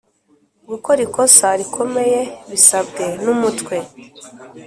gukora ikosa rikomeye bisabwe n Umutwe